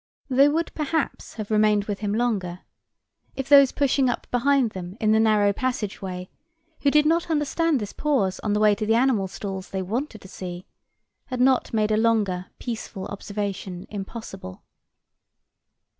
They would perhaps have remained with him longer, if those pushing up behind them in the narrow passage way, who did not understand this pause on the way to the animal stalls they wanted to see, had not made a longer peaceful observation impossible.